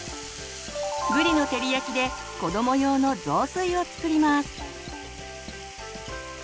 ぶりの照り焼きで子ども用の雑炊を作ります。